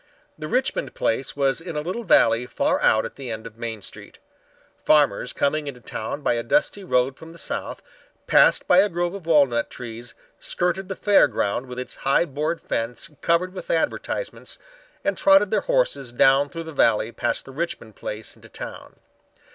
The Richmond place was in a little valley far out at the end of Main Street. Farmers coming into town by a dusty road from the south passed by a grove of walnut trees, skirted the Fair Ground with its high board fence covered with advertisements, and trotted their horses down through the valley past the Richmond place into town.